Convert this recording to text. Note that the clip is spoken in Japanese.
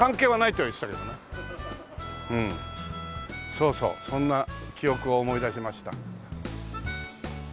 そうそうそんな記憶を思い出しました。